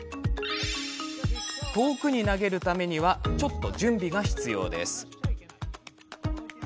遠くに投げるためにはちょっと準備が必要です。